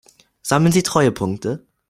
Sammeln Sie Treuepunkte?